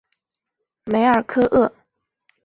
梅尔科厄。